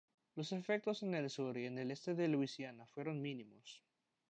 Los efectos en el sur y en el este de Luisiana fueron mínimos.